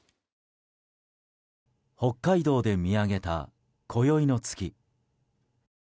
北海道で見上げたこよいの月。